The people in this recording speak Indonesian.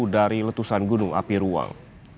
dari letusan gunung api ruang